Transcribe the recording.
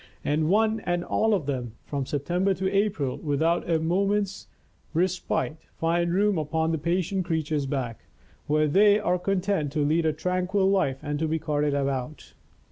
And one and all of them, from September to April, without a moment's respite, find room upon the patient creature's back, where they are content to lead a tranquil life and to be carted about.